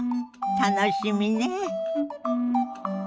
楽しみね。